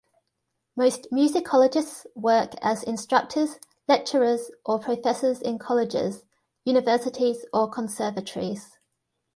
Most musicologists work as instructors, lecturers or professors in colleges, universities or conservatories.